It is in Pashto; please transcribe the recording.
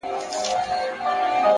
صبر بریا ته لاره هواروي!